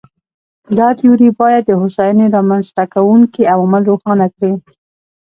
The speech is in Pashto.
دا تیوري باید د هوساینې رامنځته کوونکي عوامل روښانه کړي.